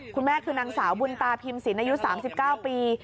คุณแม่คือนางสาวบุญตาพิมศิลปอายุ๓๙ปี